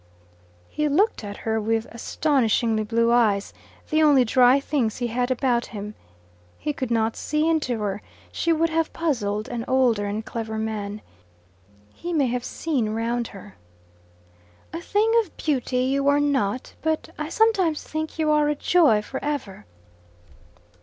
He looked at her with astonishingly blue eyes the only dry things he had about him. He could not see into her: she would have puzzled an older and clever man. He may have seen round her. "A thing of beauty you are not. But I sometimes think you are a joy for ever."